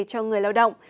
cho người lao động